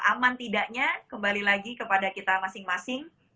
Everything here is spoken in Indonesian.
aman tidaknya kembali lagi kepada kita masing masing